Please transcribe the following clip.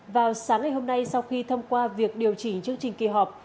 vào sáng ngày hôm nay sau khi thông qua việc điều chỉnh chương trình kỳ họp